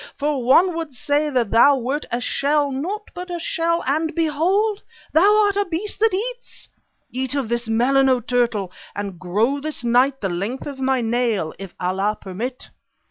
For one would say that thou wert a shell, naught but a shell, and behold! thou art a beast that eats. Eat of this melon, O turtle, and grow this night the length of my nail, if Allah permit!